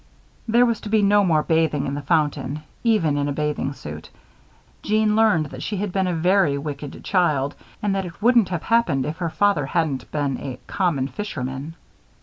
There was to be no more bathing in the fountain even in a bathing suit. Jeanne learned that she had been a very wicked child and that it wouldn't have happened if her father hadn't been "a common fishman."